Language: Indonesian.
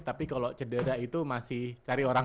tapi kalau cedera itu masih cari orang